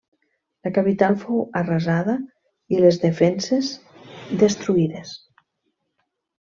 La capital fou arrasada i les defenses destruïdes.